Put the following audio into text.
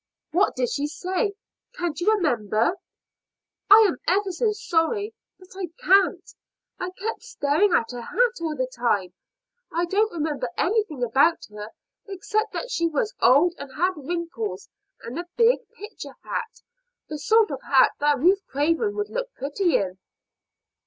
What did she say can't you remember?" "I am ever so sorry, but I can't. I kept staring at her hat all the time. I don't remember anything about her except that she was old and had wrinkles and a big picture hat the sort of hat that Ruth Craven would look pretty in."